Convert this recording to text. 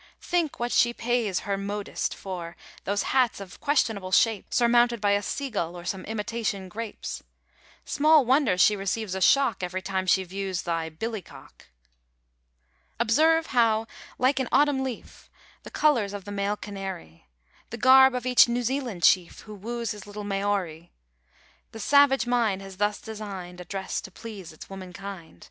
Think what she pays her modiste for Those hats of questionable shapes, Surmounted by a seagull or Some imitation grapes! Small wonder she receives a shock Each time she views thy "billycock"! Observe how like an autumn leaf The colors of the male canary, The garb of each New Zealand chief Who woos his Little Maori; The savage mind has thus designed A dress to please its womankind.